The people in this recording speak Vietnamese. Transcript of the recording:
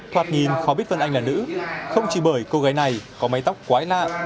thoạt nhìn khó biết vân anh là nữ không chỉ bởi cô gái này có máy tóc quái lạ